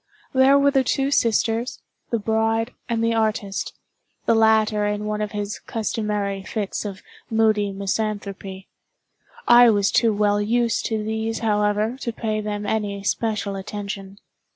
There were the two sisters, the bride, and the artist—the latter in one of his customary fits of moody misanthropy. I was too well used to these, however, to pay them any special attention.